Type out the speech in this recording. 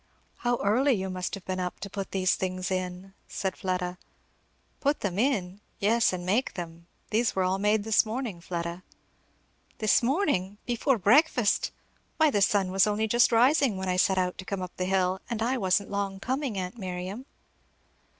"How early you must have been up, to put these things in," said Fleda. "Put them in! yes, and make them. These were all made this morning, Fleda." "This morning! before breakfast! Why the sun was only just rising when I set out to come up the hill; and I wasn't long coming, aunt Miriam."